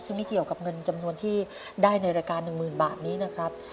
ซึ่งไม่เกี่ยวกับเงินจำนวนที่ได้ในรายการ๑๐๐๐บาทนี้นะครับ